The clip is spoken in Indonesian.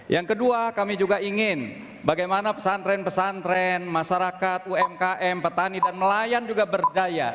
yang kedua kami juga ingin bagaimana pesantren pesantren masyarakat umkm petani dan melayan juga berdaya